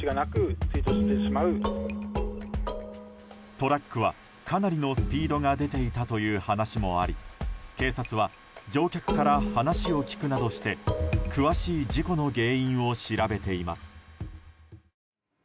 トラックはかなりのスピードが出ていたという話もあり警察は乗客から話を聞くなどして詳しい事故の原因を調べています。